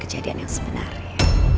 kejadian yang sebenarnya